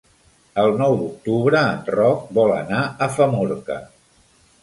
El nou d'octubre en Roc vol anar a Famorca.